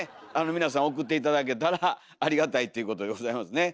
皆さん送って頂けたらありがたいっていうことでございますね。